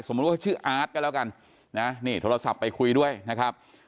ว่าชื่ออาร์ตก็แล้วกันนะนี่โทรศัพท์ไปคุยด้วยนะครับ